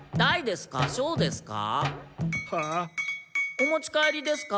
お持ち帰りですか？